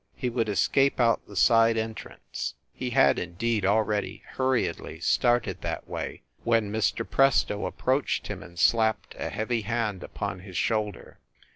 He would escape out the side entrance. He had, indeed, already hurriedly started that way, when Mr. Presto approached him, and slapped a heavy hand upon his shoulder.